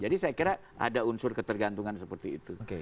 jadi saya kira ada unsur ketergantungan seperti itu